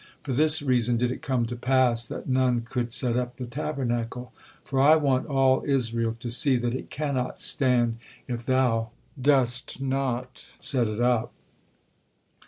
For this reason did it come to pass that none could set up the Tabernacle, for I want all Israel to see that it cannot stand if thou dost not set it up."